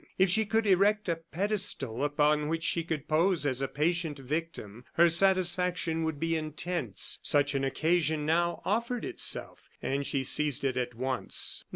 If she could erect a pedestal upon which she could pose as a patient victim, her satisfaction would be intense. Such an occasion now offered itself, and she seized it at once.